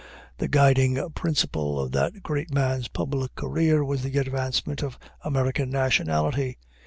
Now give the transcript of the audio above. The guiding principle of that great man's public career was the advancement of American nationality.